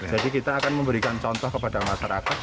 jadi kita akan memberikan contoh kepada masyarakat